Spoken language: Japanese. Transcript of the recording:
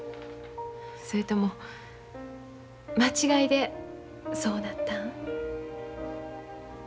それとも間違いでそうなったん？